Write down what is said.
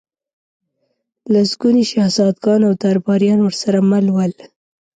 لسګوني شهزادګان او درباریان ورسره مل ول.